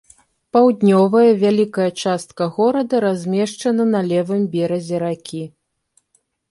Паўднёвая, вялікая частка горада размешчана на левым беразе ракі.